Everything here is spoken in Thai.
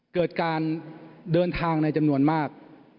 เกิดการเดินทางในจำนวนมาก